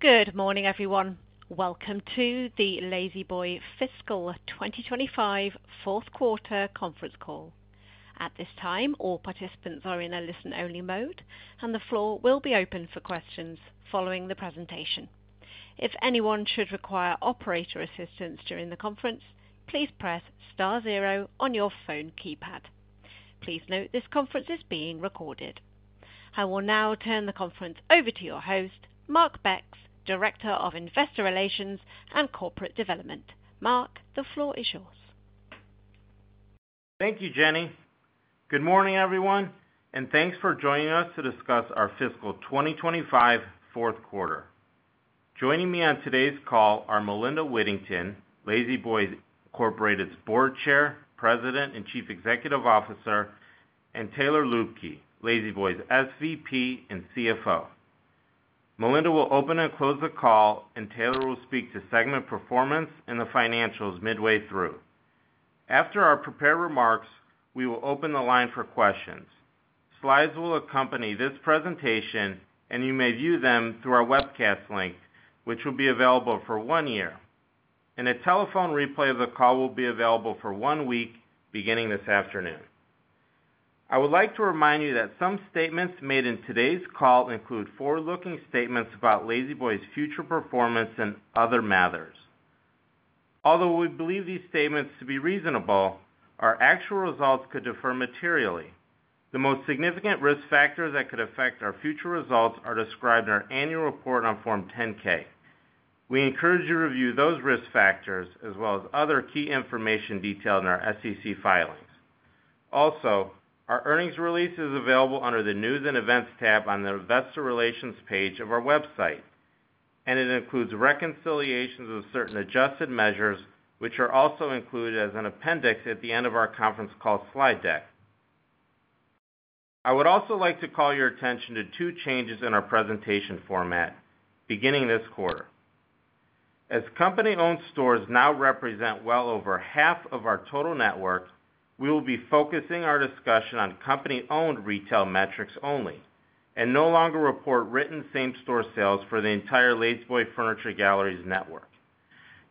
Good morning, everyone. Welcome to the La-Z-Boy Fiscal 2025 fourth quarter conference call. At this time, all participants are in a listen-only mode, and the floor will be open for questions following the presentation. If anyone should require operator assistance during the conference, please press star zero on your phone keypad. Please note this conference is being recorded. I will now turn the conference over to your host, Mark Becks, Director of Investor Relations and Corporate Development. Mark, the floor is yours. Thank you, Jenny. Good morning, everyone, and thanks for joining us to discuss our fiscal 2025 fourth quarter. Joining me on today's call are Melinda Whittington, La-Z-Boy Incorporated's Board Chair, President, and Chief Executive Officer, and Taylor Luebke, La-Z-Boy's SVP and CFO. Melinda will open and close the call, and Taylor will speak to segment performance and the financials midway through. After our prepared remarks, we will open the line for questions. Slides will accompany this presentation, and you may view them through our webcast link, which will be available for one year. A telephone replay of the call will be available for one week beginning this afternoon. I would like to remind you that some statements made in today's call include forward-looking statements about La-Z-Boy's future performance and other matters. Although we believe these statements to be reasonable, our actual results could differ materially. The most significant risk factors that could affect our future results are described in our annual report on Form 10-K. We encourage you to review those risk factors as well as other key information detailed in our SEC filings. Also, our earnings release is available under the News and Events tab on the Investor Relations page of our website, and it includes reconciliations of certain adjusted measures, which are also included as an appendix at the end of our conference call slide deck. I would also like to call your attention to two changes in our presentation format beginning this quarter. As company-owned stores now represent well over half of our total network, we will be focusing our discussion on company-owned retail metrics only and no longer report written same-store sales for the entire La-Z-Boy Furniture Galleries network.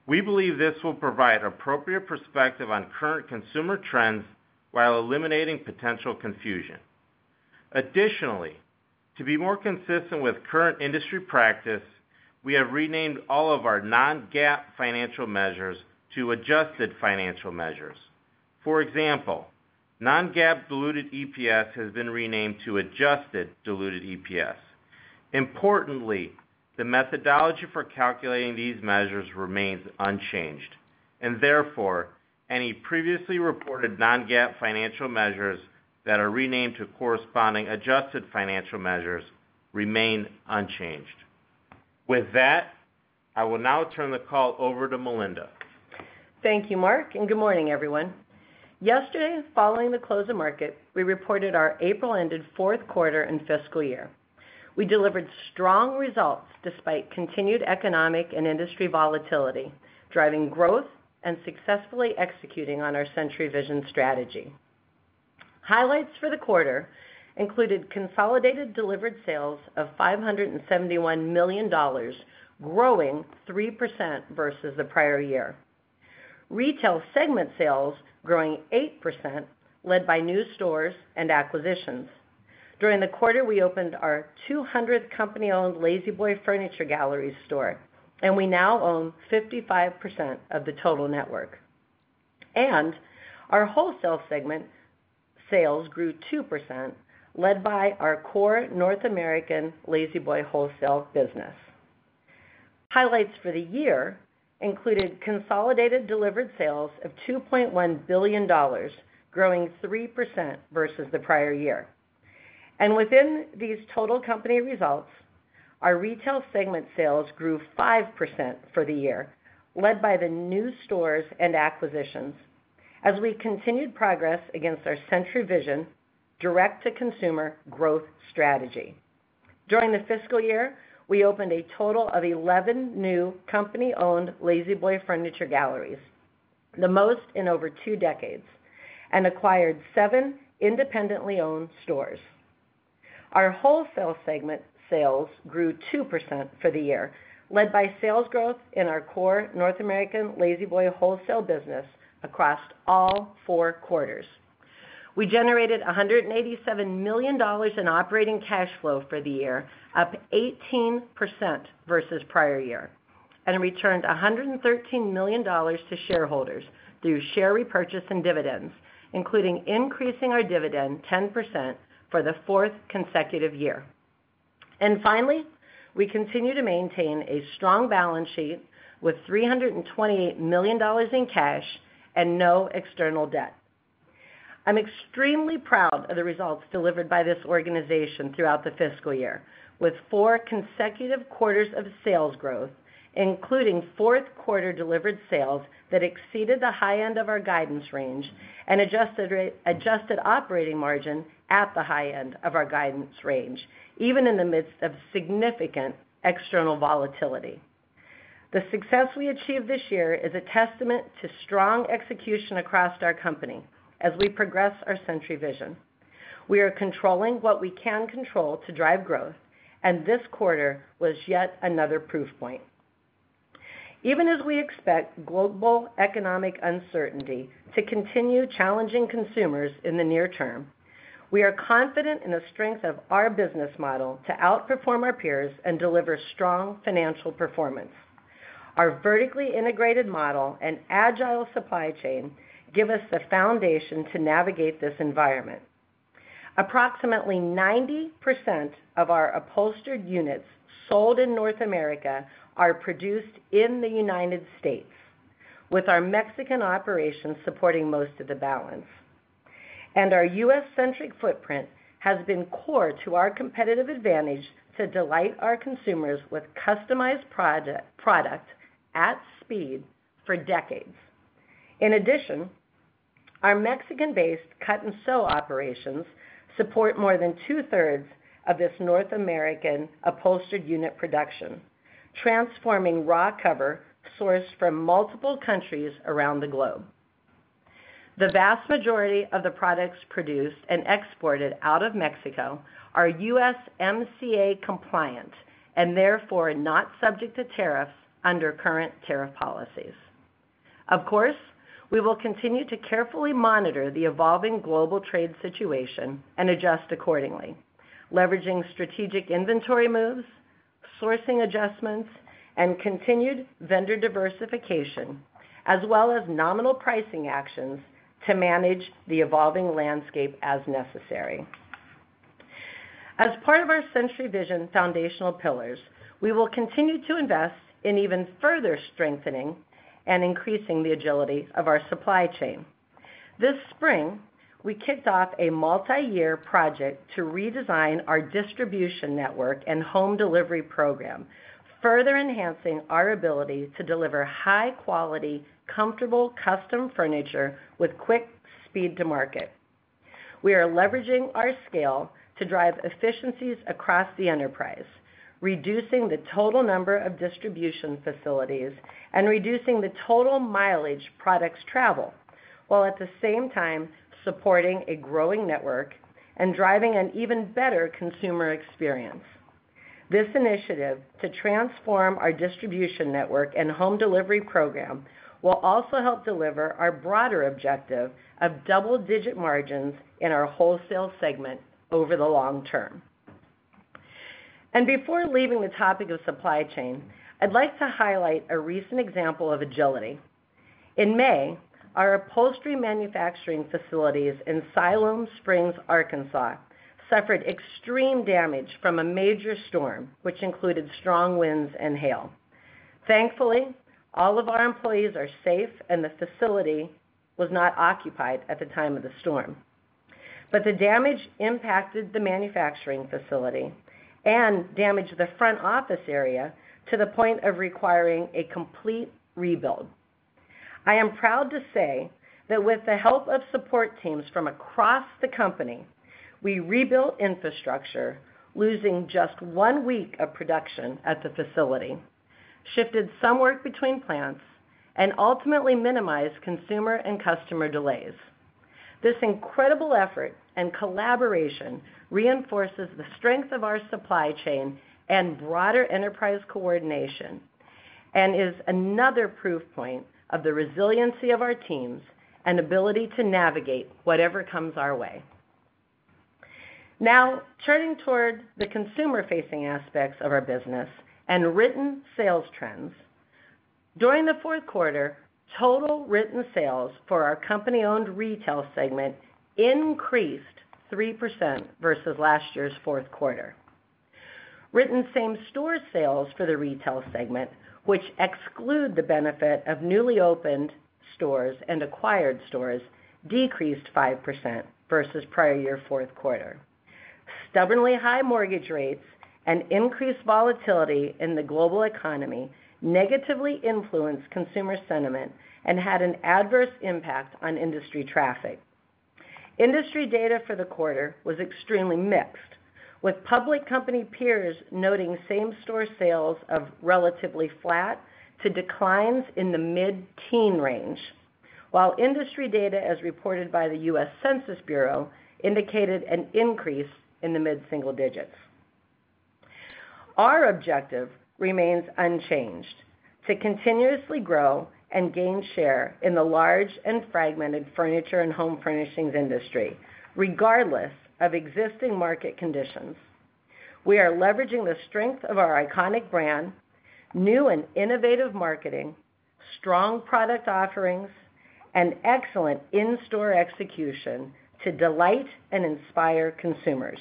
We believe this will provide appropriate perspective on current consumer trends while eliminating potential confusion. Additionally, to be more consistent with current industry practice, we have renamed all of our non-GAAP financial measures to adjusted financial measures. For example, non-GAAP diluted EPS has been renamed to adjusted diluted EPS. Importantly, the methodology for calculating these measures remains unchanged, and therefore, any previously reported non-GAAP financial measures that are renamed to corresponding adjusted financial measures remain unchanged. With that, I will now turn the call over to Melinda. Thank you, Mark, and good morning, everyone. Yesterday, following the close of market, we reported our April-ended fourth quarter and fiscal year. We delivered strong results despite continued economic and industry volatility, driving growth and successfully executing on our Century Vision strategy. Highlights for the quarter included consolidated delivered sales of $571 million, growing 3% versus the prior year. Retail segment sales growing 8%, led by new stores and acquisitions. During the quarter, we opened our 200th company-owned La-Z-Boy Furniture Galleries store, and we now own 55% of the total network. Our wholesale segment sales grew 2%, led by our core North American La-Z-Boy wholesale business. Highlights for the year included consolidated delivered sales of $2.1 billion, growing 3% versus the prior year. Within these total company results, our retail segment sales grew 5% for the year, led by the new stores and acquisitions as we continued progress against our Century Vision direct-to-consumer growth strategy. During the fiscal year, we opened a total of 11 new company-owned La-Z-Boy Furniture Galleries, the most in over two decades, and acquired seven independently owned stores. Our wholesale segment sales grew 2% for the year, led by sales growth in our core North American La-Z-Boy wholesale business across all four quarters. We generated $187 million in operating cash flow for the year, up 18% versus prior year, and returned $113 million to shareholders through share repurchase and dividends, including increasing our dividend 10% for the fourth consecutive year. Finally, we continue to maintain a strong balance sheet with $328 million in cash and no external debt. I'm extremely proud of the results delivered by this organization throughout the fiscal year, with four consecutive quarters of sales growth, including fourth-quarter delivered sales that exceeded the high end of our guidance range and adjusted operating margin at the high end of our guidance range, even in the midst of significant external volatility. The success we achieved this year is a testament to strong execution across our company as we progress our Century Vision. We are controlling what we can control to drive growth, and this quarter was yet another proof point. Even as we expect global economic uncertainty to continue challenging consumers in the near term, we are confident in the strength of our business model to outperform our peers and deliver strong financial performance. Our vertically integrated model and agile supply chain give us the foundation to navigate this environment. Approximately 90% of our upholstered units sold in North America are produced in the United States, with our Mexican operations supporting most of the balance. Our U.S.-centric footprint has been core to our competitive advantage to delight our consumers with customized product at speed for decades. In addition, our Mexico-based cut-and-sew operations support more than two-thirds of this North American upholstered unit production, transforming raw cover sourced from multiple countries around the globe. The vast majority of the products produced and exported out of Mexico are USMCA compliant and therefore not subject to tariffs under current tariff policies. Of course, we will continue to carefully monitor the evolving global trade situation and adjust accordingly, leveraging strategic inventory moves, sourcing adjustments, and continued vendor diversification, as well as nominal pricing actions to manage the evolving landscape as necessary. As part of our Century Vision foundational pillars, we will continue to invest in even further strengthening and increasing the agility of our supply chain. This spring, we kicked off a multi-year project to redesign our distribution network and home delivery program, further enhancing our ability to deliver high-quality, comfortable custom furniture with quick speed to market. We are leveraging our scale to drive efficiencies across the enterprise, reducing the total number of distribution facilities and reducing the total mileage products travel, while at the same time supporting a growing network and driving an even better consumer experience. This initiative to transform our distribution network and home delivery program will also help deliver our broader objective of double-digit margins in our wholesale segment over the long term. Before leaving the topic of supply chain, I'd like to highlight a recent example of agility. In May, our upholstery manufacturing facilities in Siloam Springs, Arkansas, suffered extreme damage from a major storm, which included strong winds and hail. Thankfully, all of our employees are safe, and the facility was not occupied at the time of the storm. The damage impacted the manufacturing facility and damaged the front office area to the point of requiring a complete rebuild. I am proud to say that with the help of support teams from across the company, we rebuilt infrastructure, losing just one week of production at the facility, shifted some work between plants, and ultimately minimized consumer and customer delays. This incredible effort and collaboration reinforces the strength of our supply chain and broader enterprise coordination and is another proof point of the resiliency of our teams and ability to navigate whatever comes our way. Now, turning toward the consumer-facing aspects of our business and written sales trends, during the fourth quarter, total written sales for our company-owned retail segment increased 3% versus last year's fourth quarter. Written same-store sales for the retail segment, which exclude the benefit of newly opened stores and acquired stores, decreased 5% versus prior year fourth quarter. Stubbornly high mortgage rates and increased volatility in the global economy negatively influenced consumer sentiment and had an adverse impact on industry traffic. Industry data for the quarter was extremely mixed, with public company peers noting same-store sales of relatively flat to declines in the mid-teen range, while industry data, as reported by the U.S. Census Bureau, indicated an increase in the mid-single digits. Our objective remains unchanged: to continuously grow and gain share in the large and fragmented furniture and home furnishings industry, regardless of existing market conditions. We are leveraging the strength of our iconic brand, new and innovative marketing, strong product offerings, and excellent in-store execution to delight and inspire consumers.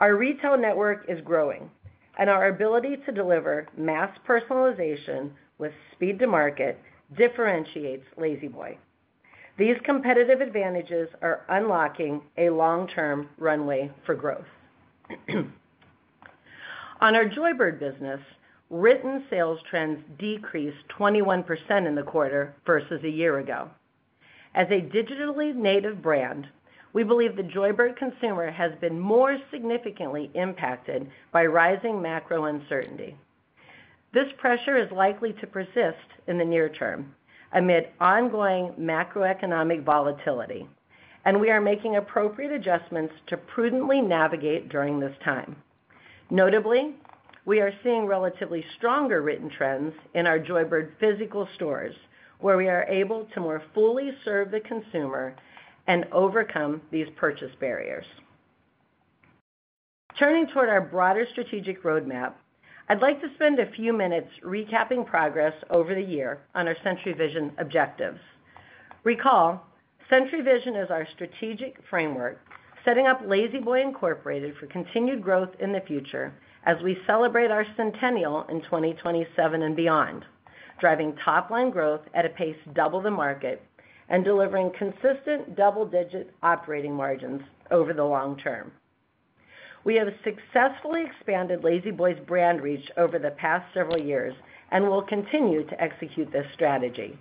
Our retail network is growing, and our ability to deliver mass personalization with speed to market differentiates La-Z-Boy. These competitive advantages are unlocking a long-term runway for growth. On our Joybird business, written sales trends decreased 21% in the quarter versus a year ago. As a digitally native brand, we believe the Joybird consumer has been more significantly impacted by rising macro uncertainty. This pressure is likely to persist in the near term amid ongoing macroeconomic volatility, and we are making appropriate adjustments to prudently navigate during this time. Notably, we are seeing relatively stronger written trends in our Joybird physical stores, where we are able to more fully serve the consumer and overcome these purchase barriers. Turning toward our broader strategic roadmap, I'd like to spend a few minutes recapping progress over the year on our Century Vision objectives. Recall, Century Vision is our strategic framework setting up La-Z-Boy Incorporated for continued growth in the future as we celebrate our centennial in 2027 and beyond, driving top-line growth at a pace double the market and delivering consistent double-digit operating margins over the long term. We have successfully expanded La-Z-Boy's brand reach over the past several years and will continue to execute this strategy.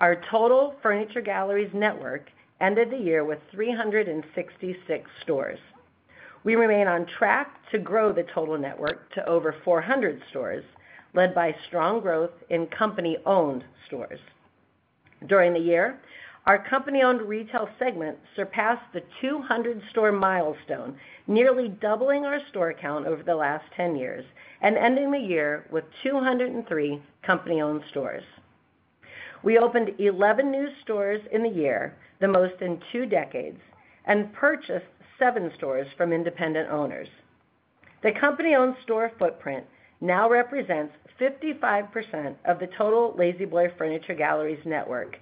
Our total Furniture Galleries network ended the year with 366 stores. We remain on track to grow the total network to over 400 stores, led by strong growth in company-owned stores. During the year, our company-owned retail segment surpassed the 200-store milestone, nearly doubling our store count over the last 10 years and ending the year with 203 company-owned stores. We opened 11 new stores in the year, the most in two decades, and purchased seven stores from independent owners. The company-owned store footprint now represents 55% of the total La-Z-Boy Furniture Galleries network,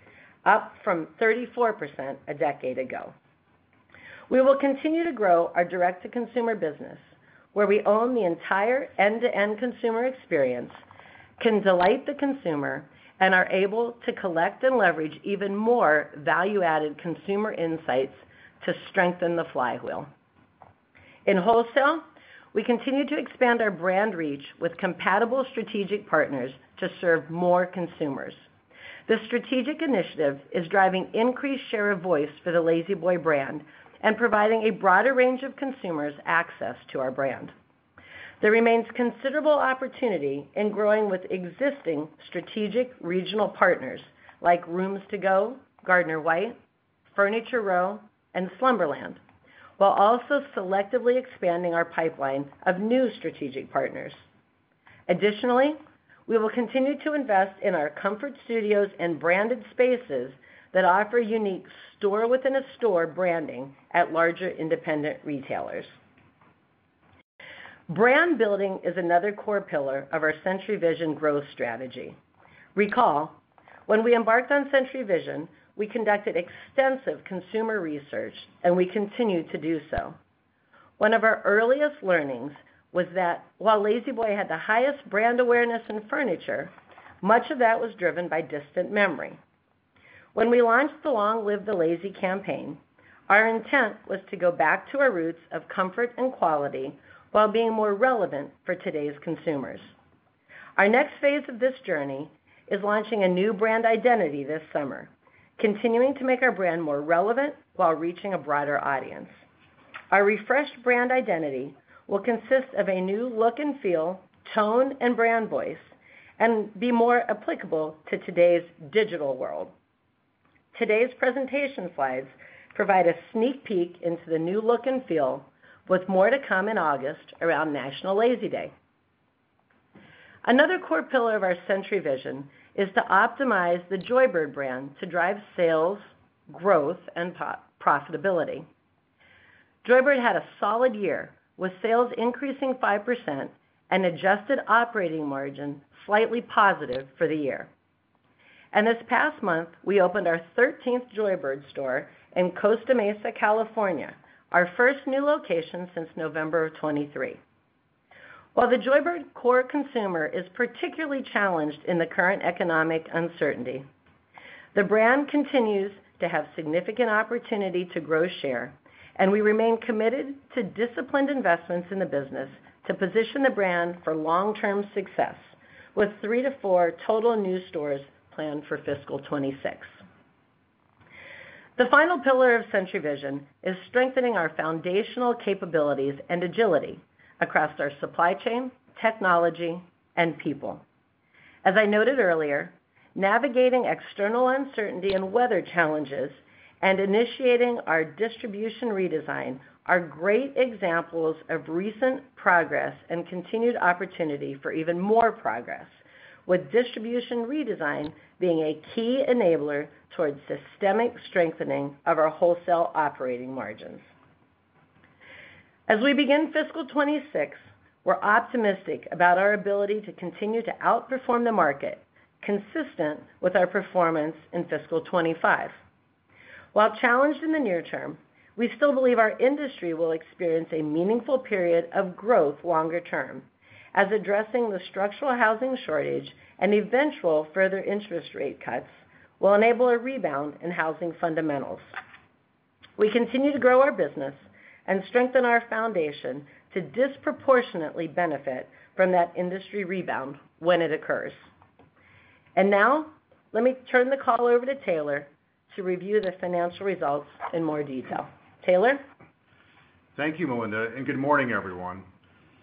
up from 34% a decade ago. We will continue to grow our direct-to-consumer business, where we own the entire end-to-end consumer experience, can delight the consumer, and are able to collect and leverage even more value-added consumer insights to strengthen the flywheel. In wholesale, we continue to expand our brand reach with compatible strategic partners to serve more consumers. This strategic initiative is driving increased share of voice for the La-Z-Boy brand and providing a broader range of consumers access to our brand. There remains considerable opportunity in growing with existing strategic regional partners like Rooms to Go, Gardner White, Furniture Row, and Slumberland, while also selectively expanding our pipeline of new strategic partners. Additionally, we will continue to invest in our comfort studios and branded spaces that offer unique store-within-a-store branding at larger independent retailers. Brand building is another core pillar of our Century Vision growth strategy. Recall, when we embarked on Century Vision, we conducted extensive consumer research, and we continue to do so. One of our earliest learnings was that while La-Z-Boy had the highest brand awareness in furniture, much of that was driven by distant memory. When we launched the Long Live the La-Z campaign, our intent was to go back to our roots of comfort and quality while being more relevant for today's consumers. Our next phase of this journey is launching a new brand identity this summer, continuing to make our brand more relevant while reaching a broader audience. Our refreshed brand identity will consist of a new look and feel, tone, and brand voice and be more applicable to today's digital world. Today's presentation slides provide a sneak peek into the new look and feel, with more to come in August around National La-Z Day. Another core pillar of our Century Vision is to optimize the Joybird brand to drive sales, growth, and profitability. Joybird had a solid year, with sales increasing 5% and adjusted operating margin slightly positive for the year. This past month, we opened our 13th Joybird store in Costa Mesa, California, our first new location since November of 2023. While the Joybird core consumer is particularly challenged in the current economic uncertainty, the brand continues to have significant opportunity to grow share, and we remain committed to disciplined investments in the business to position the brand for long-term success, with three to four total new stores planned for fiscal 2026. The final pillar of Century Vision is strengthening our foundational capabilities and agility across our supply chain, technology, and people. As I noted earlier, navigating external uncertainty and weather challenges and initiating our distribution redesign are great examples of recent progress and continued opportunity for even more progress, with distribution redesign being a key enabler towards systemic strengthening of our wholesale operating margins. As we begin fiscal 2026, we're optimistic about our ability to continue to outperform the market, consistent with our performance in fiscal 2025. While challenged in the near term, we still believe our industry will experience a meaningful period of growth longer term, as addressing the structural housing shortage and eventual further interest rate cuts will enable a rebound in housing fundamentals. We continue to grow our business and strengthen our foundation to disproportionately benefit from that industry rebound when it occurs. Let me turn the call over to Taylor to review the financial results in more detail. Taylor? Thank you, Melinda, and good morning, everyone.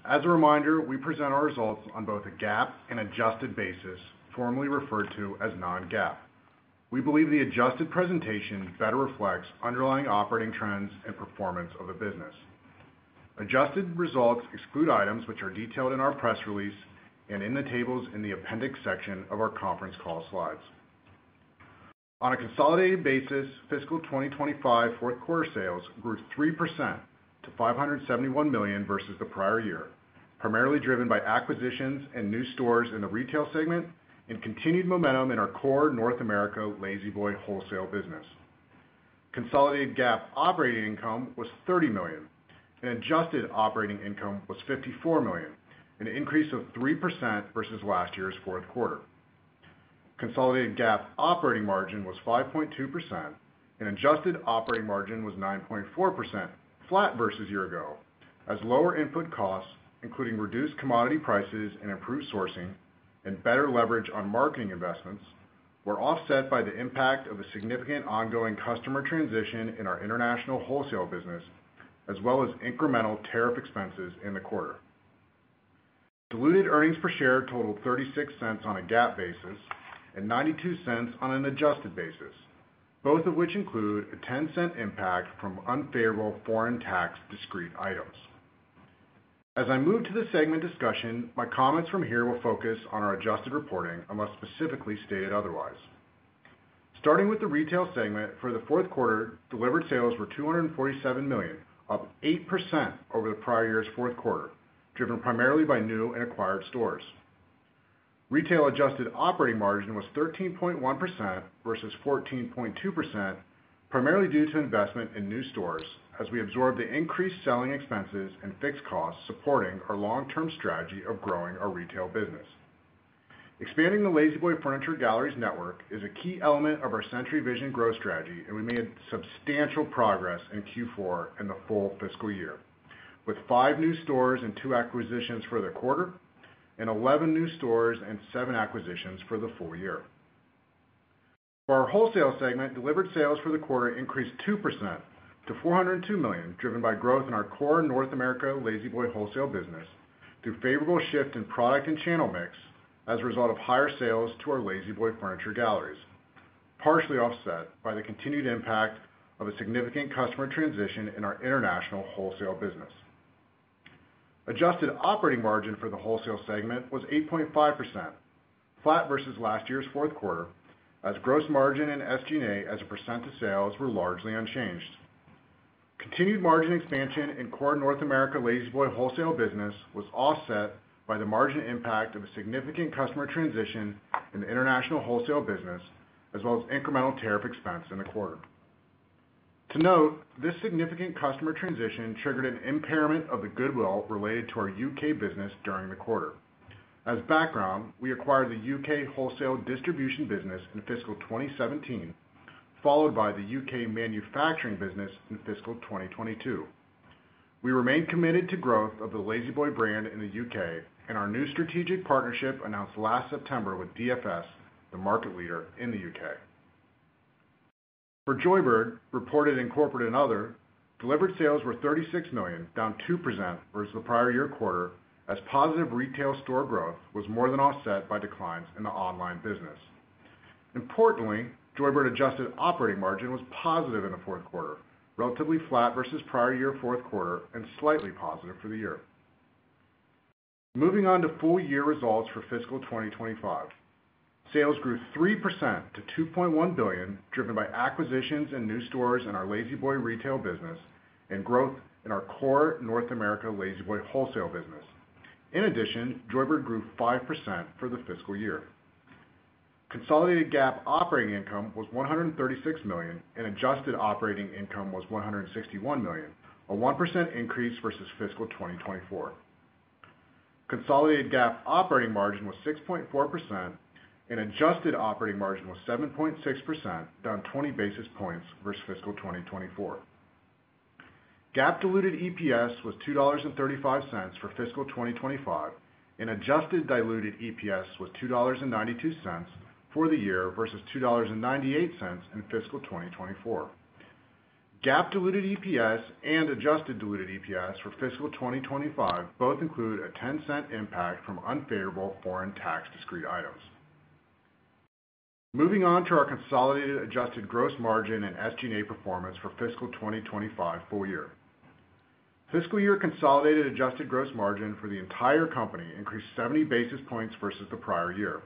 As a reminder, we present our results on both a GAAP and adjusted basis, formerly referred to as non-GAAP. We believe the adjusted presentation better reflects underlying operating trends and performance of the business. Adjusted results exclude items which are detailed in our press release and in the tables in the appendix section of our conference call slides. On a consolidated basis, fiscal 2025 fourth-quarter sales grew 3% to $571 million versus the prior year, primarily driven by acquisitions and new stores in the retail segment and continued momentum in our core North America La-Z-Boy wholesale business. Consolidated GAAP operating income was $30 million, and adjusted operating income was $54 million, an increase of 3% versus last year's fourth quarter. Consolidated GAAP operating margin was 5.2%, and adjusted operating margin was 9.4%, flat versus a year ago, as lower input costs, including reduced commodity prices and improved sourcing and better leverage on marketing investments, were offset by the impact of a significant ongoing customer transition in our international wholesale business, as well as incremental tariff expenses in the quarter. Diluted earnings per share totaled $0.36 on a GAAP basis and $0.92 on an adjusted basis, both of which include a $0.10 impact from unfavorable foreign tax discrete items. As I move to the segment discussion, my comments from here will focus on our adjusted reporting unless specifically stated otherwise. Starting with the retail segment, for the fourth quarter, delivered sales were $247 million, up 8% over the prior year's fourth quarter, driven primarily by new and acquired stores. Retail adjusted operating margin was 13.1% versus 14.2%, primarily due to investment in new stores, as we absorbed the increased selling expenses and fixed costs supporting our long-term strategy of growing our retail business. Expanding the La-Z-Boy Furniture Galleries network is a key element of our Century Vision growth strategy, and we made substantial progress in Q4 and the full fiscal year, with five new stores and two acquisitions for the quarter and 11 new stores and seven acquisitions for the full year. For our wholesale segment, delivered sales for the quarter increased 2% to $402 million, driven by growth in our core North America La-Z-Boy wholesale business through favorable shift in product and channel mix as a result of higher sales to our La-Z-Boy Furniture Galleries, partially offset by the continued impact of a significant customer transition in our international wholesale business. Adjusted operating margin for the wholesale segment was 8.5%, flat versus last year's fourth quarter, as gross margin and SG&A as a percent of sales were largely unchanged. Continued margin expansion in core North America La-Z-Boy wholesale business was offset by the margin impact of a significant customer transition in the international wholesale business, as well as incremental tariff expense in the quarter. To note, this significant customer transition triggered an impairment of the goodwill related to our U.K. business during the quarter. As background, we acquired the U.K. wholesale distribution business in fiscal 2017, followed by the U.K. manufacturing business in fiscal 2022. We remained committed to growth of the La-Z-Boy brand in the U.K., and our new strategic partnership announced last September with DFS, the market leader in the U.K. For Joybird, reported in corporate and other, delivered sales, were $36 million, down 2% versus the prior year quarter, as positive retail store growth was more than offset by declines in the online business. Importantly, Joybird adjusted operating margin was positive in the fourth quarter, relatively flat versus prior year fourth quarter, and slightly positive for the year. Moving on to full year results for fiscal 2025, sales grew 3% to $2.1 billion, driven by acquisitions and new stores in our La-Z-Boy retail business and growth in our core North America La-Z-Boy wholesale business. In addition, Joybird grew 5% for the fiscal year. Consolidated GAAP operating income was $136 million, and adjusted operating income was $161 million, a 1% increase versus fiscal 2024. Consolidated GAAP operating margin was 6.4%, and adjusted operating margin was 7.6%, down 20 basis points versus fiscal 2024. GAAP diluted EPS was $2.35 for fiscal 2025, and adjusted diluted EPS was $2.92 for the year versus $2.98 in fiscal 2024. GAAP diluted EPS and adjusted diluted EPS for fiscal 2025 both include a $0.10 impact from unfavorable foreign tax discrete items. Moving on to our consolidated adjusted gross margin and SG&A performance for fiscal 2025 full year. Fiscal year consolidated adjusted gross margin for the entire company increased 70 basis points versus the prior year.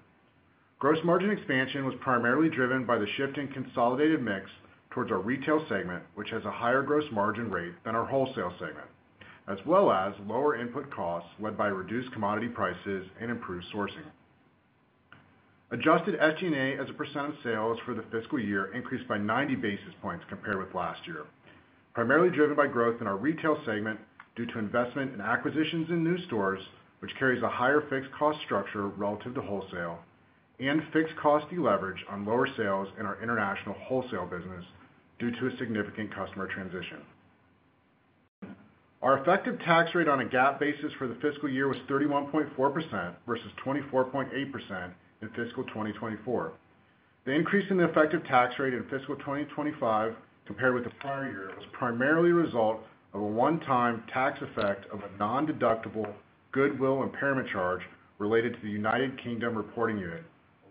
Gross margin expansion was primarily driven by the shift in consolidated mix towards our retail segment, which has a higher gross margin rate than our wholesale segment, as well as lower input costs led by reduced commodity prices and improved sourcing. Adjusted SG&A as a percent of sales for the fiscal year increased by 90 basis points compared with last year, primarily driven by growth in our retail segment due to investment and acquisitions in new stores, which carries a higher fixed cost structure relative to wholesale, and fixed cost deleverage on lower sales in our international wholesale business due to a significant customer transition. Our effective tax rate on a GAAP basis for the fiscal year was 31.4% versus 24.8% in fiscal 2024. The increase in the effective tax rate in fiscal 2025 compared with the prior year was primarily a result of a one-time tax effect of a non-deductible goodwill impairment charge related to the United Kingdom reporting unit,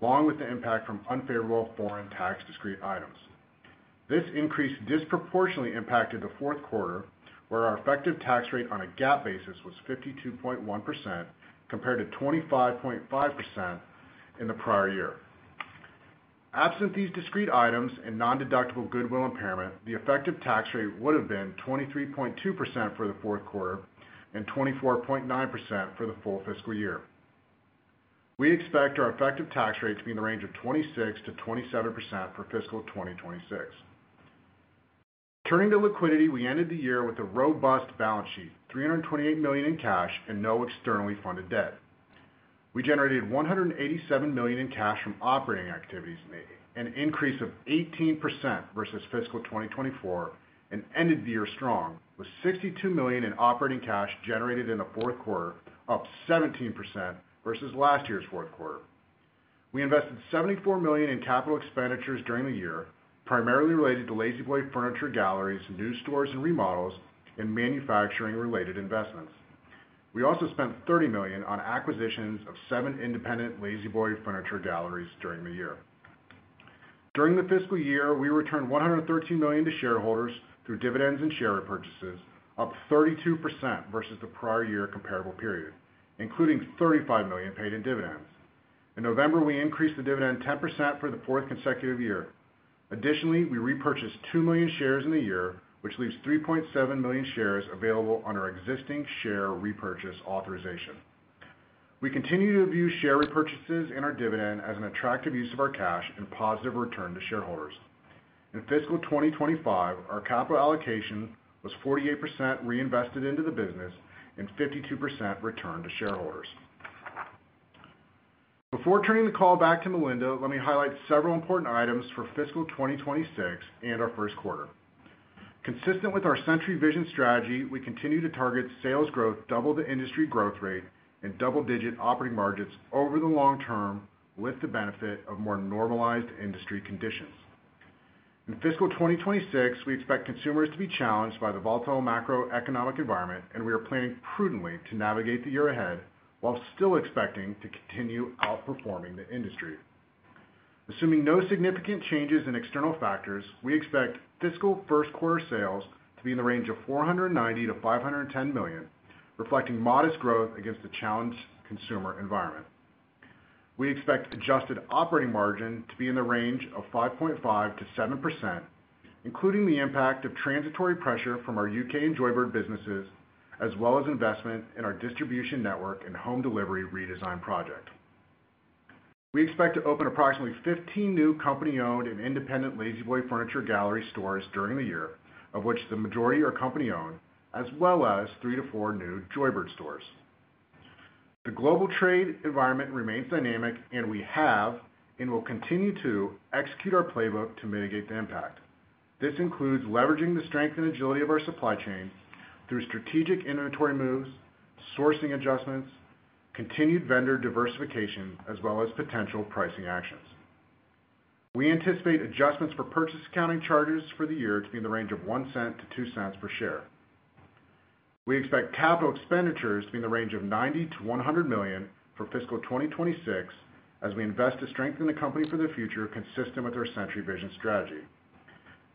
along with the impact from unfavorable foreign tax discrete items. This increase disproportionately impacted the fourth quarter, where our effective tax rate on a GAAP basis was 52.1% compared to 25.5% in the prior year. Absent these discrete items and non-deductible goodwill impairment, the effective tax rate would have been 23.2% for the fourth quarter and 24.9% for the full fiscal year. We expect our effective tax rate to be in the range of 26-27% for fiscal 2026. Turning to liquidity, we ended the year with a robust balance sheet, $328 million in cash, and no externally funded debt. We generated $187 million in cash from operating activities, an increase of 18% versus fiscal 2024, and ended the year strong with $62 million in operating cash generated in the fourth quarter, up 17% versus last year's fourth quarter. We invested $74 million in capital expenditures during the year, primarily related to La-Z-Boy Furniture Galleries, new stores and remodels, and manufacturing-related investments. We also spent $30 million on acquisitions of seven independent La-Z-Boy Furniture Galleries during the year. During the fiscal year, we returned $113 million to shareholders through dividends and share repurchases, up 32% versus the prior year comparable period, including $35 million paid in dividends. In November, we increased the dividend 10% for the fourth consecutive year. Additionally, we repurchased 2 million shares in the year, which leaves 3.7 million shares available under existing share repurchase authorization. We continue to view share repurchases and our dividend as an attractive use of our cash and positive return to shareholders. In fiscal 2025, our capital allocation was 48% reinvested into the business and 52% returned to shareholders. Before turning the call back to Melinda, let me highlight several important items for fiscal 2026 and our first quarter. Consistent with our Century Vision strategy, we continue to target sales growth double the industry growth rate and double-digit operating margins over the long term with the benefit of more normalized industry conditions. In fiscal 2026, we expect consumers to be challenged by the volatile macroeconomic environment, and we are planning prudently to navigate the year ahead while still expecting to continue outperforming the industry. Assuming no significant changes in external factors, we expect fiscal first-quarter sales to be in the range of $490 million-$510 million, reflecting modest growth against the challenged consumer environment. We expect adjusted operating margin to be in the range of 5.5%-7%, including the impact of transitory pressure from our U.K. and Joybird businesses, as well as investment in our distribution network and home delivery redesign project. We expect to open approximately 15 new company-owned and independent La-Z-Boy Furniture Galleries stores during the year, of which the majority are company-owned, as well as three to four new Joybird stores. The global trade environment remains dynamic, and we have and will continue to execute our playbook to mitigate the impact. This includes leveraging the strength and agility of our supply chain through strategic inventory moves, sourcing adjustments, continued vendor diversification, as well as potential pricing actions. We anticipate adjustments for purchase accounting charges for the year to be in the range of $0.01-$0.02 per share. We expect capital expenditures to be in the range of $90 million-$100 million for fiscal 2026, as we invest to strengthen the company for the future consistent with our Century Vision strategy.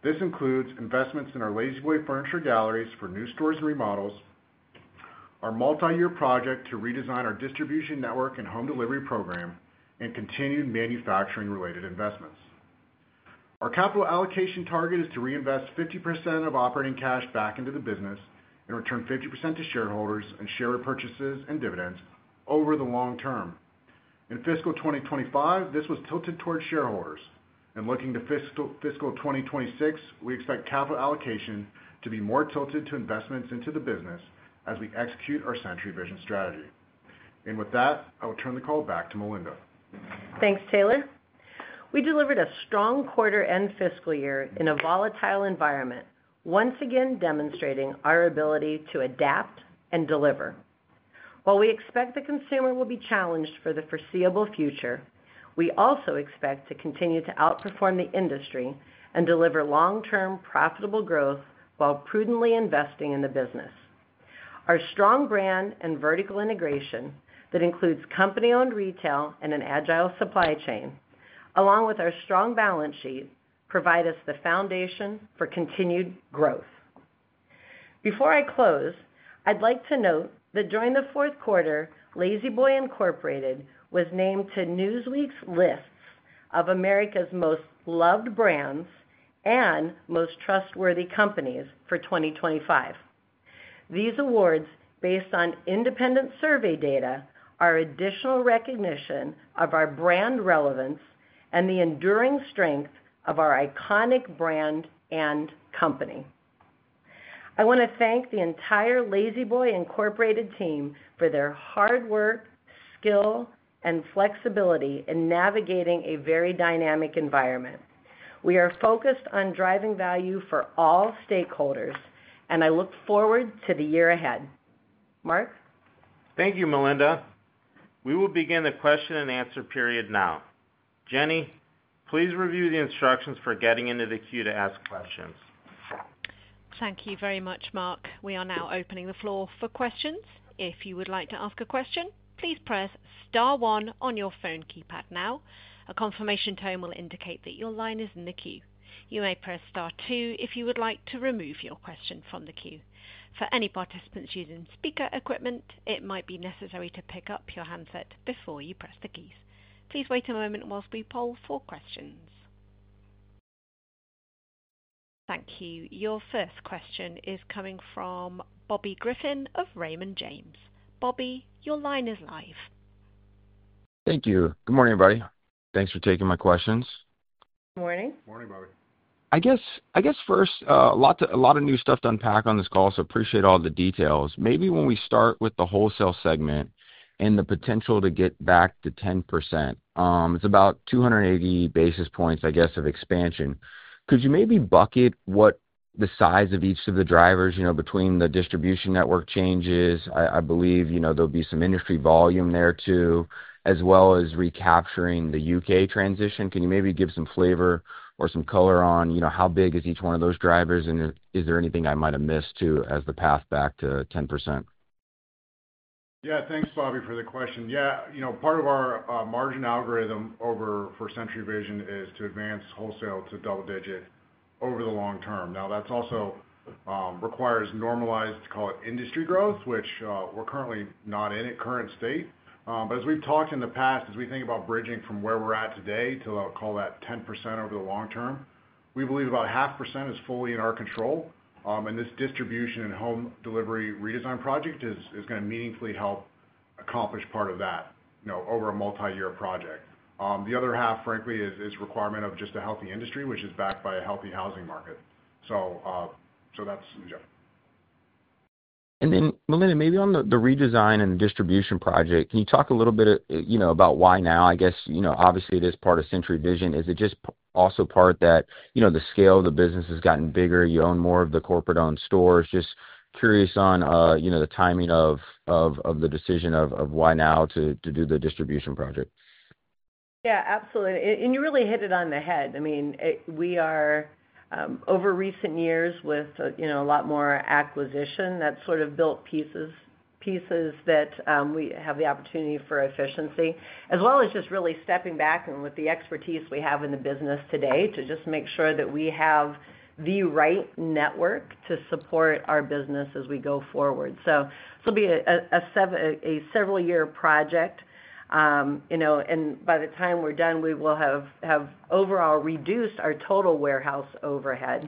This includes investments in our La-Z-Boy Furniture Galleries for new stores and remodels, our multi-year project to redesign our distribution network and home delivery program, and continued manufacturing-related investments. Our capital allocation target is to reinvest 50% of operating cash back into the business and return 50% to shareholders in share repurchases and dividends over the long term. In fiscal 2025, this was tilted towards shareholders. In looking to fiscal 2026, we expect capital allocation to be more tilted to investments into the business as we execute our Century Vision strategy. With that, I will turn the call back to Melinda. Thanks, Taylor. We delivered a strong quarter and fiscal year in a volatile environment, once again demonstrating our ability to adapt and deliver. While we expect the consumer will be challenged for the foreseeable future, we also expect to continue to outperform the industry and deliver long-term profitable growth while prudently investing in the business. Our strong brand and vertical integration that includes company-owned retail and an agile supply chain, along with our strong balance sheet, provide us the foundation for continued growth. Before I close, I'd like to note that during the fourth quarter, La-Z-Boy Incorporated was named to Newsweek's lists of America's most loved brands and most trustworthy companies for 2025. These awards, based on independent survey data, are additional recognition of our brand relevance and the enduring strength of our iconic brand and company. I want to thank the entire La-Z-Boy Incorporated team for their hard work, skill, and flexibility in navigating a very dynamic environment. We are focused on driving value for all stakeholders, and I look forward to the year ahead. Mark? Thank you, Melinda. We will begin the question and answer period now. Jenny, please review the instructions for getting into the queue to ask questions. Thank you very much, Mark. We are now opening the floor for questions. If you would like to ask a question, please press star one on your phone keypad now. A confirmation tone will indicate that your line is in the queue. You may press star two if you would like to remove your question from the queue. For any participants using speaker equipment, it might be necessary to pick up your handset before you press the keys. Please wait a moment whilst we poll for questions. Thank you. Your first question is coming from Bobby Griffin of Raymond James. Bobby, your line is live. Thank you. Good morning, everybody. Thanks for taking my questions. Good morning. Morning, Bobby. I guess first, a lot of new stuff to unpack on this call, so I appreciate all the details. Maybe when we start with the wholesale segment and the potential to get back to 10%, it's about 280 basis points, I guess, of expansion. Could you maybe bucket what the size of each of the drivers between the distribution network changes? I believe there'll be some industry volume there too, as well as recapturing the U.K. transition. Can you maybe give some flavor or some color on how big is each one of those drivers, and is there anything I might have missed too as the path back to 10%? Yeah, thanks, Bobby, for the question. Yeah, part of our margin algorithm over for Century Vision is to advance wholesale to double-digit over the long term. Now, that also requires normalized, call it industry growth, which we're currently not in at current state. As we've talked in the past, as we think about bridging from where we're at today to call that 10% over the long term, we believe about half percent is fully in our control. This distribution and home delivery redesign project is going to meaningfully help accomplish part of that over a multi-year project. The other half, frankly, is requirement of just a healthy industry, which is backed by a healthy housing market. That is, yeah. Melinda, maybe on the redesign and distribution project, can you talk a little bit about why now? I guess, obviously, it is part of Century Vision. Is it just also part that the scale of the business has gotten bigger? You own more of the corporate-owned stores. Just curious on the timing of the decision of why now to do the distribution project. Yeah, absolutely. You really hit it on the head. I mean, we are over recent years with a lot more acquisition that sort of built pieces that we have the opportunity for efficiency, as well as just really stepping back and with the expertise we have in the business today to just make sure that we have the right network to support our business as we go forward. This will be a several-year project. By the time we're done, we will have overall reduced our total warehouse overhead,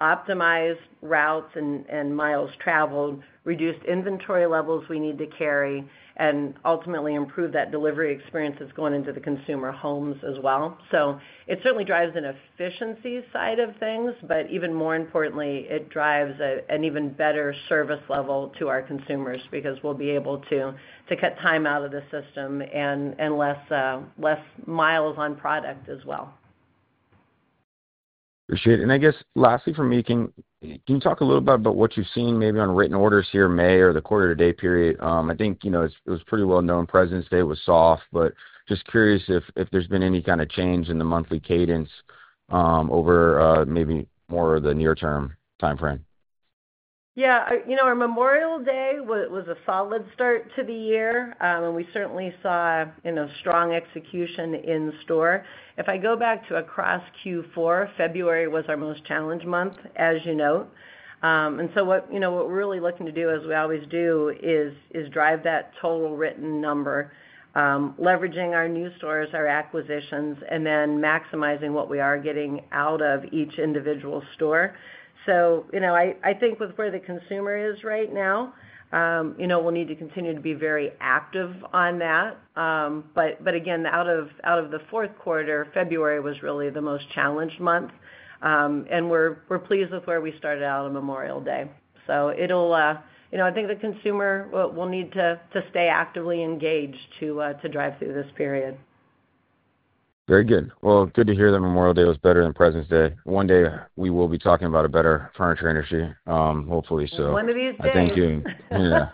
optimized routes and miles traveled, reduced inventory levels we need to carry, and ultimately improve that delivery experience that's going into the consumer homes as well. It certainly drives an efficiency side of things, but even more importantly, it drives an even better service level to our consumers because we'll be able to cut time out of the system and less miles on product as well. Appreciate it. I guess, lastly, for making, can you talk a little bit about what you've seen, maybe on written orders here, May, or the quarter-to-date period? I think it was pretty well-known. President's Day was soft, but just curious if there's been any kind of change in the monthly cadence over maybe more of the near-term timeframe. Yeah. Our Memorial Day was a solid start to the year, and we certainly saw strong execution in store. If I go back to across Q4, February was our most challenged month, as you know. What we're really looking to do, as we always do, is drive that total written number, leveraging our new stores, our acquisitions, and then maximizing what we are getting out of each individual store. I think with where the consumer is right now, we'll need to continue to be very active on that. But again, out of the fourth quarter, February was really the most challenged month, and we're pleased with where we started out on Memorial Day. I think the consumer will need to stay actively engaged to drive through this period. Very good. Good to hear that Memorial Day was better than President's Day. One day, we will be talking about a better furniture industry, hopefully so. One of these days. Thank you. Yeah.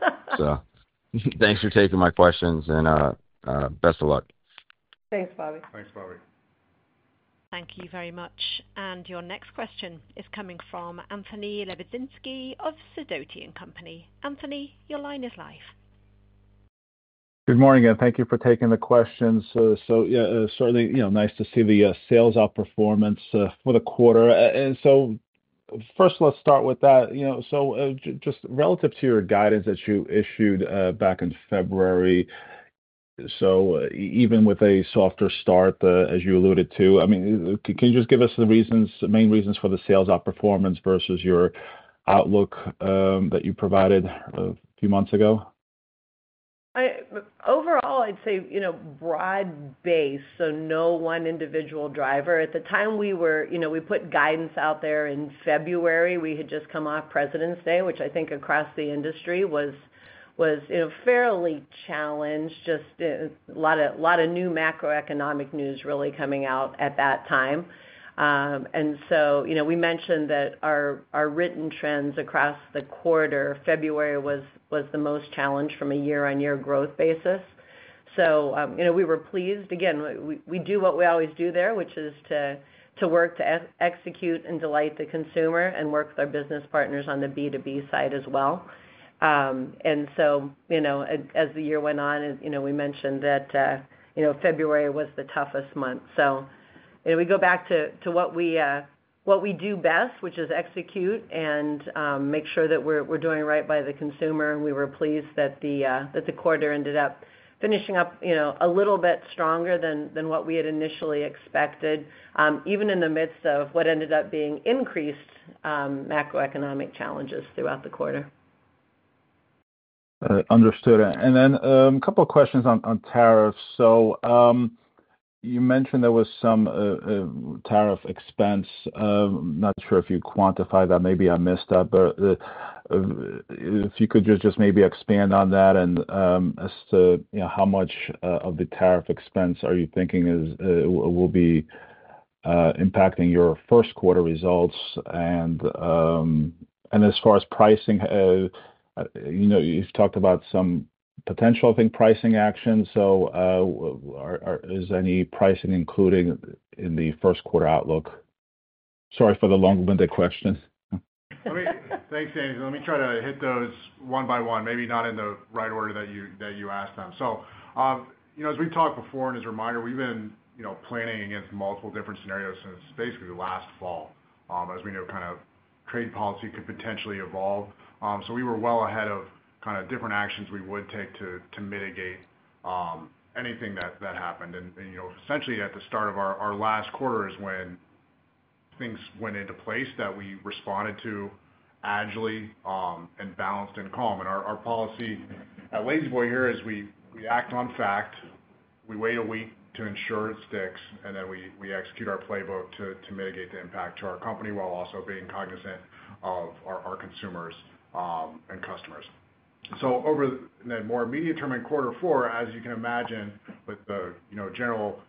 Thanks for taking my questions, and best of luck. Thanks, Bobby. Thanks, Bobby. Thank you very much. Your next question is coming from Anthony Levezinski of Sedoti & Company. Anthony, your line is live. Good morning, and thank you for taking the question. Yeah, certainly nice to see the sales outperformance for the quarter. First, let's start with that. Just relative to your guidance that you issued back in February, even with a softer start, as you alluded to, can you just give us the main reasons for the sales outperformance versus your outlook that you provided a few months ago? Overall, I'd say broad-based, so no one individual driver. At the time we put guidance out there in February, we had just come off President's Day, which I think across the industry was fairly challenged, just a lot of new macroeconomic news really coming out at that time. We mentioned that our written trends across the quarter, February was the most challenged from a year-on-year growth basis. We were pleased. Again, we do what we always do there, which is to work to execute and delight the consumer and work with our business partners on the B2B side as well. As the year went on, we mentioned that February was the toughest month. We go back to what we do best, which is execute and make sure that we're doing right by the consumer. We were pleased that the quarter ended up finishing up a little bit stronger than what we had initially expected, even in the midst of what ended up being increased macroeconomic challenges throughout the quarter. Understood. A couple of questions on tariffs. You mentioned there was some tariff expense. I'm not sure if you quantified that. Maybe I missed that. If you could just maybe expand on that and as to how much of the tariff expense are you thinking will be impacting your first quarter results. As far as pricing, you've talked about some potential, I think, pricing actions. Is any pricing included in the first quarter outlook? Sorry for the long-winded question. Thanks, James. Let me try to hit those one by one, maybe not in the right order that you asked them. As we've talked before, and as a reminder, we've been planning against multiple different scenarios since basically last fall, as we know kind of trade policy could potentially evolve. We were well ahead of kind of different actions we would take to mitigate anything that happened. Essentially, at the start of our last quarter is when things went into place that we responded to agilely and balanced and calm. Our policy at La-Z-Boy here is we act on fact, we wait a week to ensure it sticks, and then we execute our playbook to mitigate the impact to our company while also being cognizant of our consumers and customers. Over the more immediate term in quarter four, as you can imagine, with the general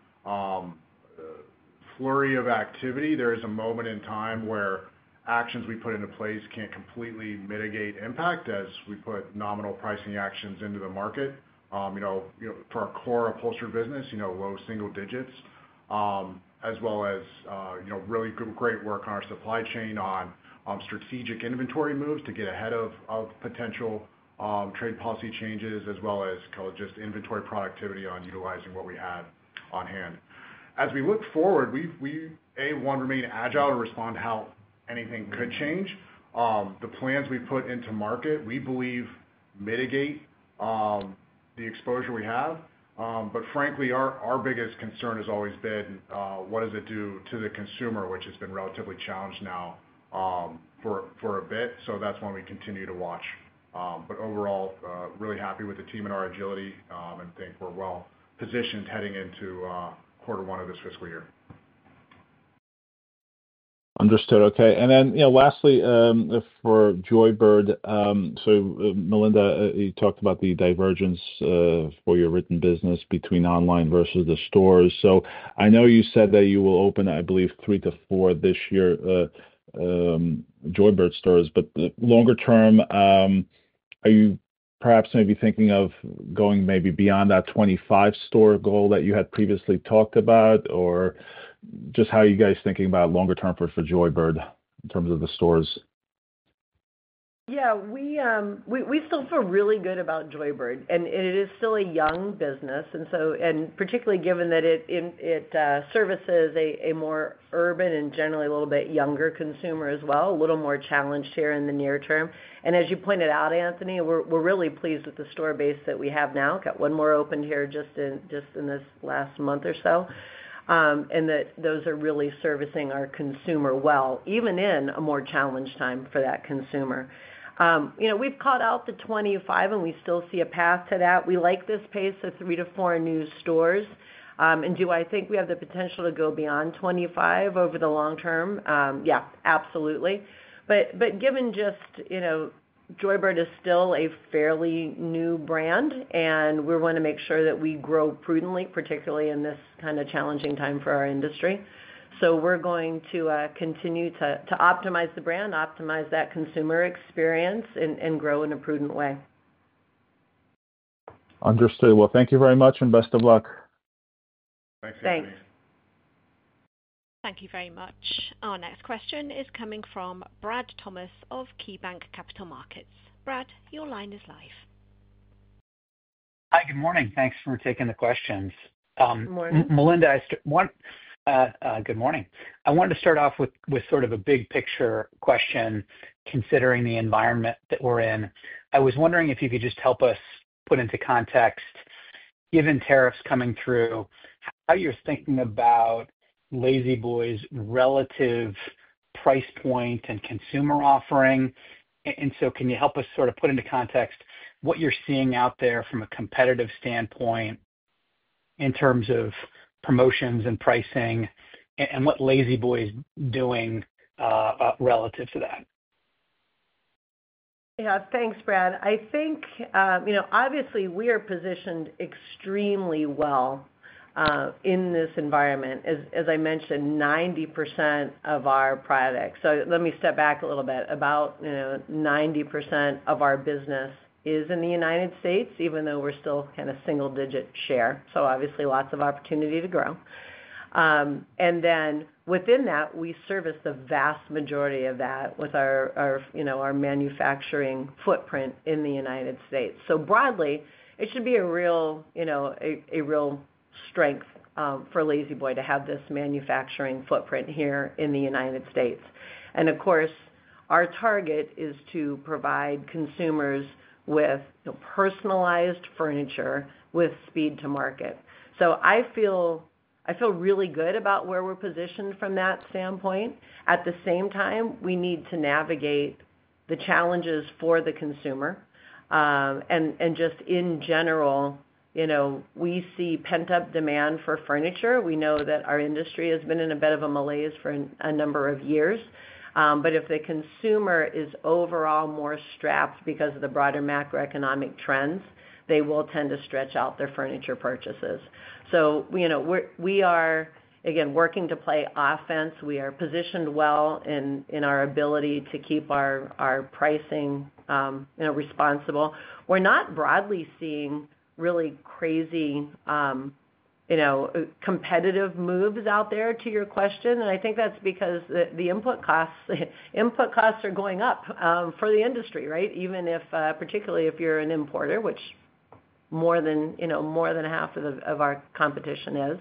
flurry of activity, there is a moment in time where actions we put into place cannot completely mitigate impact as we put nominal pricing actions into the market for our core upholstery business, low single digits, as well as really great work on our supply chain on strategic inventory moves to get ahead of potential trade policy changes, as well as just inventory productivity on utilizing what we had on hand. As we look forward, we want to remain agile to respond to how anything could change. The plans we put into market, we believe, mitigate the exposure we have. Frankly, our biggest concern has always been, what does it do to the consumer, which has been relatively challenged now for a bit. That is why we continue to watch. Overall, really happy with the team and our agility and think we're well positioned heading into quarter one of this fiscal year. Understood. Okay. Lastly, for Joybird, Melinda, you talked about the divergence for your written business between online versus the stores. I know you said that you will open, I believe, three to four this year, Joybird stores. Longer term, are you perhaps maybe thinking of going maybe beyond that 25-store goal that you had previously talked about, or just how are you guys thinking about longer term for Joybird in terms of the stores? Yeah. We still feel really good about Joybird, and it is still a young business. Particularly given that it services a more urban and generally a little bit younger consumer as well, a little more challenged here in the near term. As you pointed out, Anthony, we're really pleased with the store base that we have now. Got one more opened here just in this last month or so. Those are really servicing our consumer well, even in a more challenged time for that consumer. We've called out the 25, and we still see a path to that. We like this pace of three to four new stores. Do I think we have the potential to go beyond 25 over the long term? Yeah, absolutely. Given just Joybird is still a fairly new brand, and we want to make sure that we grow prudently, particularly in this kind of challenging time for our industry. We are going to continue to optimize the brand, optimize that consumer experience, and grow in a prudent way. Understood. Thank you very much, and best of luck. Thanks, Anthony. Thanks. Thank you very much. Our next question is coming from Brad Thomas of KeyBanc Capital Markets. Brad, your line is live. Hi, good morning. Thanks for taking the questions. Good morning. Melinda, good morning. I wanted to start off with sort of a big picture question considering the environment that we are in. I was wondering if you could just help us put into context, given tariffs coming through, how you are thinking about La-Z-Boy's relative price point and consumer offering. Can you help us sort of put into context what you're seeing out there from a competitive standpoint in terms of promotions and pricing, and what La-Z-Boy is doing relative to that? Yeah. Thanks, Brad. I think, obviously, we are positioned extremely well in this environment. As I mentioned, 90% of our product—let me step back a little bit—about 90% of our business is in the United States, even though we're still kind of single-digit share. Obviously, lots of opportunity to grow. Within that, we service the vast majority of that with our manufacturing footprint in the United States. Broadly, it should be a real strength for La-Z-Boy to have this manufacturing footprint here in the United States. Of course, our target is to provide consumers with personalized furniture with speed to market. I feel really good about where we're positioned from that standpoint. At the same time, we need to navigate the challenges for the consumer. Just in general, we see pent-up demand for furniture. We know that our industry has been in a bit of a malaise for a number of years. If the consumer is overall more strapped because of the broader macroeconomic trends, they will tend to stretch out their furniture purchases. We are, again, working to play offense. We are positioned well in our ability to keep our pricing responsible. We're not broadly seeing really crazy competitive moves out there, to your question. I think that's because the input costs are going up for the industry, right? Even if, particularly if you're an importer, which more than half of our competition is.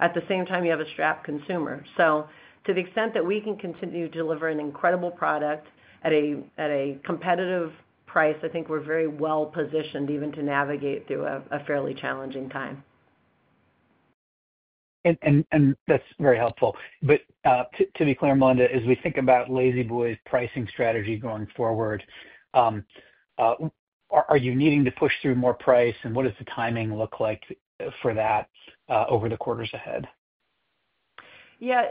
At the same time, you have a strapped consumer. To the extent that we can continue to deliver an incredible product at a competitive price, I think we're very well positioned even to navigate through a fairly challenging time. That's very helpful. To be clear, Melinda, as we think about La-Z-Boy's pricing strategy going forward, are you needing to push through more price, and what does the timing look like for that over the quarters ahead? Yeah.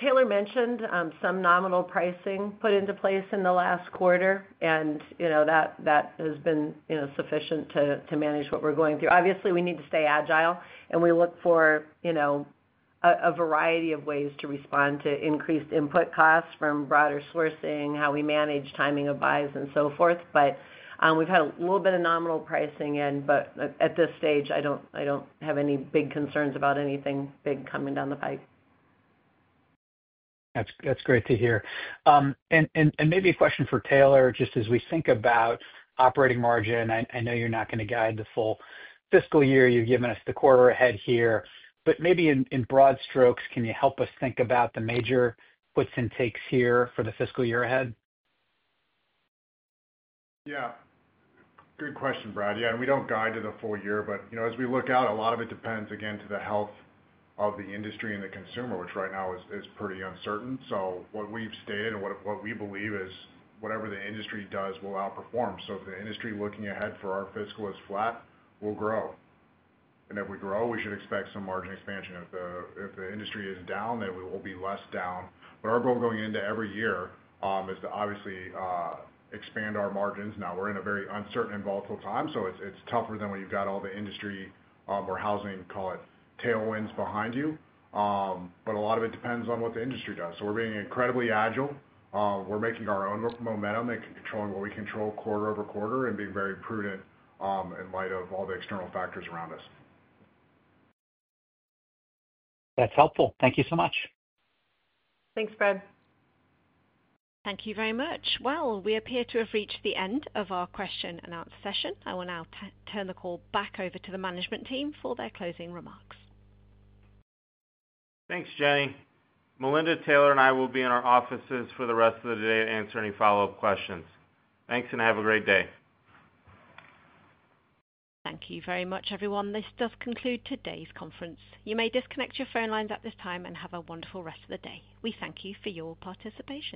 Taylor mentioned some nominal pricing put into place in the last quarter, and that has been sufficient to manage what we're going through. Obviously, we need to stay agile, and we look for a variety of ways to respond to increased input costs from broader sourcing, how we manage timing of buys, and so forth. We've had a little bit of nominal pricing in, but at this stage, I don't have any big concerns about anything big coming down the pike. That's great to hear. Maybe a question for Taylor, just as we think about operating margin. I know you're not going to guide the full fiscal year. You've given us the quarter ahead here. Maybe in broad strokes, can you help us think about the major puts and takes here for the fiscal year ahead? Yeah. Good question, Brad. Yeah. We don't guide to the full year, but as we look out, a lot of it depends, again, on the health of the industry and the consumer, which right now is pretty uncertain. What we've stated and what we believe is whatever the industry does, we'll outperform. If the industry looking ahead for our fiscal is flat, we'll grow. If we grow, we should expect some margin expansion. If the industry is down, then we will be less down. Our goal going into every year is to obviously expand our margins. Now, we're in a very uncertain and volatile time, so it's tougher than when you've got all the industry or housing, call it tailwinds, behind you. A lot of it depends on what the industry does. We're being incredibly agile. We're making our own momentum, making controlling what we control quarter over quarter, and being very prudent in light of all the external factors around us. That's helpful. Thank you so much. Thanks, Brad. Thank you very much. We appear to have reached the end of our question-and-answer session. I will now turn the call back over to the management team for their closing remarks. Thanks, Jenny. Melinda, Taylor, and I will be in our offices for the rest of the day to answer any follow-up questions. Thanks, and have a great day. Thank you very much, everyone. This does conclude today's conference. You may disconnect your phone lines at this time and have a wonderful rest of the day. We thank you for your participation.